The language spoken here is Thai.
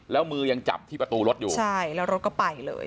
แล้วมือยังจับที่ประตูรถอยู่ใช่แล้วรถก็ไปเลย